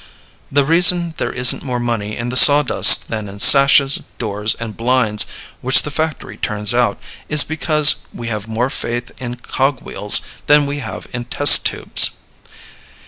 The reason there isn't more money in the sawdust than in sashes, doors, and blinds which the factory turns out is because we have more faith in cog wheels than we have in test tubes.